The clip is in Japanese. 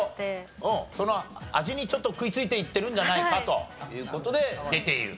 その味にちょっと食いついていってるんじゃないかという事で出ていると。